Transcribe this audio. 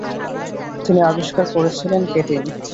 তিনি আবিষ্কার করেছিলেন কেটিন।